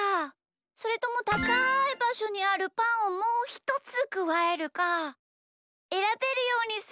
それともたかいばしょにあるパンをもうひとつくわえるかえらべるようにするの。